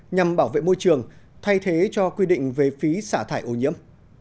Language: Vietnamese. nhằm bảo vệ môi trường thay thế cho quy định về phí xả thải ô nhiễm